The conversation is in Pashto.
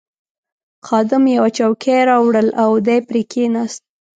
خادم یوه چوکۍ راوړل او دی پرې کښېناست.